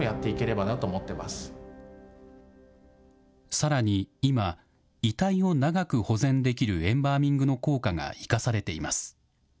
さらに今、遺体を長く保全できるエンバーミングの効果が生かされています。